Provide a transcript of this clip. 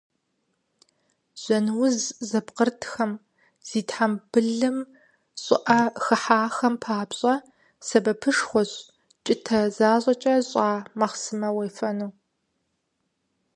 Жьэн уз зыпкърытхэм, зи тхьэмбылым щӀыӀэ хыхьахэм папщӏэ сэбэпышхуэщ кӀытэ защӀэкӀэ щӀа махъсымэ уефэну.